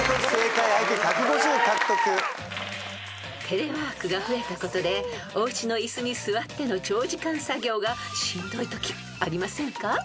［テレワークが増えたことでおうちの椅子に座っての長時間作業がしんどいときありませんか？］